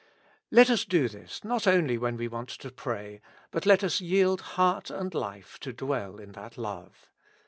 Let us do this not only when we want to pray, but let us yield heart and life to dwell in that love.